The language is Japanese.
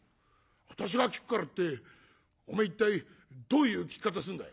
「『私が聞くから』っておめえ一体どういう聞き方すんだよ？」。